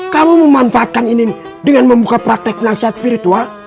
kamu memanfaatkan inin dengan membuka praktek penasihat spiritual